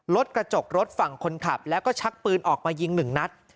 รถกระจกรถฝั่งคนขับแล้วก็ชักปืนออกมายิงหนึ่งนัด